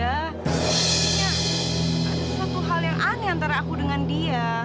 artinya ada satu hal yang aneh antara aku dengan dia